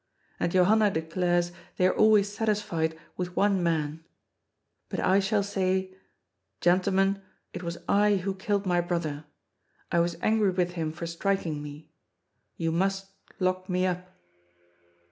And Johanna declares they are always satisfied with one man. But I shall say :^ Gentlemen, it was I who killed my brother. I was angry with him for striking me. You must lock me up.'